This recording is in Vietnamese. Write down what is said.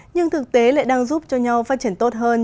nhưng thực tế lại đang giúp cho nhau phát triển tốt hơn